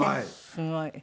すごい。